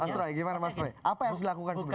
mas roy gimana mas roy apa yang harus dilakukan sebenarnya